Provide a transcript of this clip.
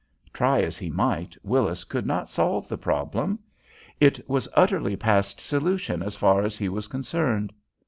Try as he might, Willis could not solve the problem. It was utterly past solution as far as he was concerned.